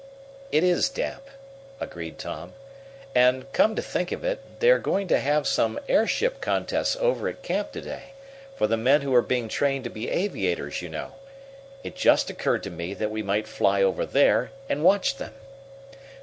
"It is damp," agreed Tom. "And, come to think of it, they are going to have some airship contests over at camp to day for the men who are being trained to be aviators, you know. It just occurred to me that we might fly over there and watch them."